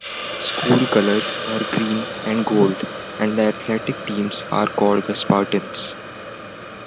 School colors are green and gold, and the athletic teams are called the Spartans.